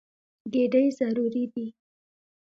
ګېډې ضروري دي.